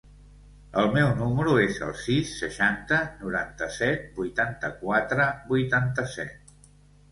El meu número es el sis, seixanta, noranta-set, vuitanta-quatre, vuitanta-set.